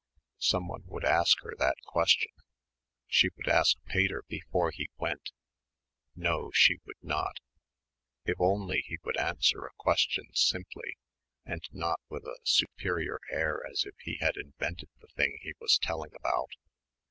Someone would ask her that question. She would ask Pater before he went.... No, she would not.... If only he would answer a question simply, and not with a superior air as if he had invented the thing he was telling about.